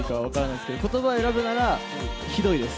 言葉選ぶなら、ひどいです。